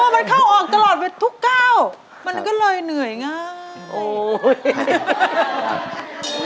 มันเข้าออกตลอดทุกก้าวมันก็เลยเหนื่อยง่าย